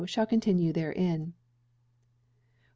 shall continue therein. 1487.